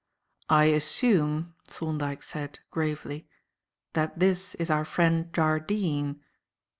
"I assume," Thorndyke said, gravely, "that this is our friend Jardine."